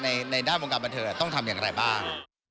ในด้านวงการบันเทิงต้องทำอย่างไรบ้าง